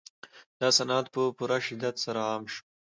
دا صنعت په پوره شدت سره عام شو